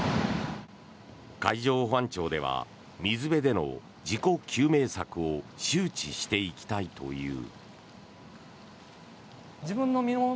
海上保安庁では水辺での自己救命策を周知していきたいという。